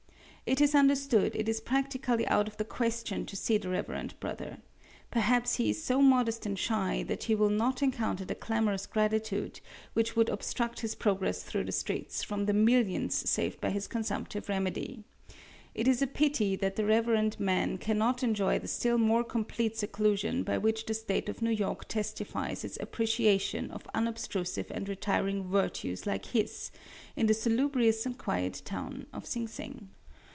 It is understood it is practically out of the question to see the reverend brother. Perhaps he is so modest and shy that he will not encounter the clamorous gratitude which would obstruct his progress through the streets, from the millions saved by his consumptive remedy. It is a pity that the reverend man cannot enjoy the still more complete seclusion by which the state of New York testifies its appreciation of unobtrusive and retiring virtues like his, in the salubrious and quiet town of Sing Sing.